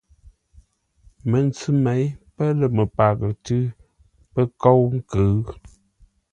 Məntsʉ měi pə̂ lə́ məpaghʼə tʉ̌ pə́ kóu nkʉ̌ʉ.